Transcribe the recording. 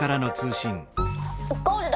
「ゴールド。